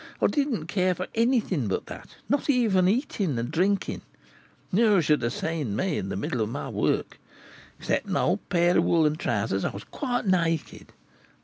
I did not care for anything but that; not even eating and drinking. You should have seen me in the middle of my work! Except an old pair of woollen trousers, I was quite naked.